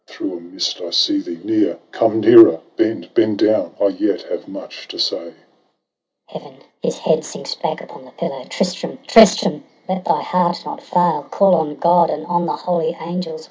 Through a mist I see thee; near — come nearer! Bend — bend down! — I yet have much to say. IseuU. Heaven ! his head sinks back upon the pillow !— Tristram ! Tristram ! let thy heart not fail. Call on God and on the holy angels